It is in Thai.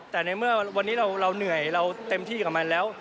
แต่ในเมื่อวันนี้เราเหนื่อยเราเต็มที่กับมันแล้ว